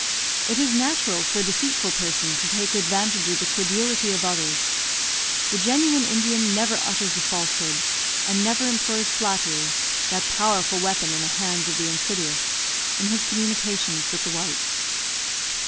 It is natural for a deceitful person to take advantage of the credulity of others. The genuine Indian never utters a falsehood, and never employs flattery (that powerful weapon in the hands of the insidious), in his communications with the whites.